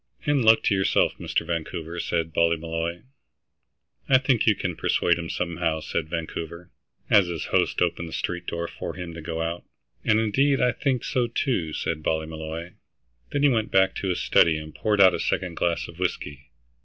"And luck to yourself, Mr. Vancouver," said Ballymolloy. "I think you can persuade him, somehow," said Vancouver, as his host opened the street door for him to go out. "And, indeed, I think so too," said Ballymolloy. Then he went back to his study and poured out a second glass of whiskey.